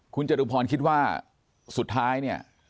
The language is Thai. คุณจตุพรคิดว่าสุดท้ายเนี่ย